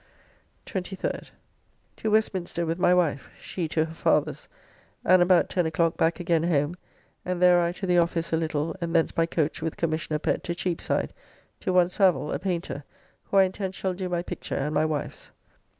23rd. To Westminster with my wife (she to her father's), and about 10 o'clock back again home, and there I to the office a little, and thence by coach with Commissioner Pett to Cheapside to one Savill, a painter, who I intend shall do my picture and my wife's.